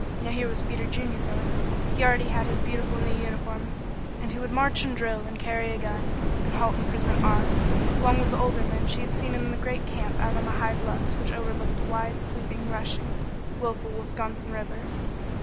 Now here was Peter Junior going. He already had his beautiful new uniform, and he would march and drill and carry a gun, and halt and present arms, along with the older men she had seen in the great camp out on the high bluffs which overlooked the wide, sweeping, rushing, willful Wisconsin River.